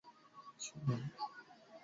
আমি তাকে দান করব।